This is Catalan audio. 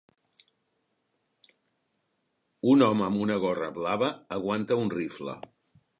Un home amb una gorra blava aguanta un rifle.